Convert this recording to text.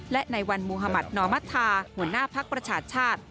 และในวันมุธมัธนอมัธาหัวหน้าภักดิ์ประชาชาติ